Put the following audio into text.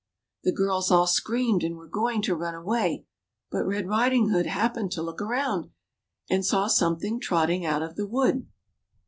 The girls all screamed and were going to run away, but Red Riding hood happened to look around, and saw something trotting out of the wood.